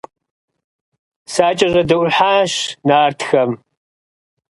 СакӀэщӀэдэӀухьащ нартхэм.